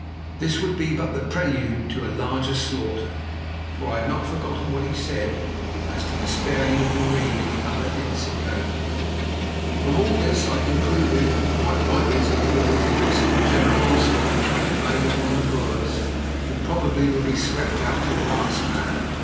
This would be but the prelude to a larger slaughter, for I had not forgotten what he said as to the sparing of Marie and the other hints he gave me. From all this I concluded, quite rightly as it proved, that some general onslaught was being made upon the Boers, who probably would be swept out to the last man.